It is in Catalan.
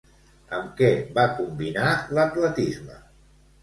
Amb què va combinar l'atletisme?